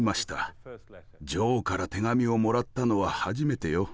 「女王から手紙をもらったのは初めてよ。